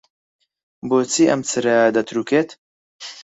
بۆچی ئەم چرایە دەترووکێت؟